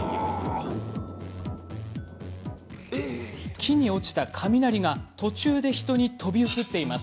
木に落ちた雷が途中で人に飛び移っています。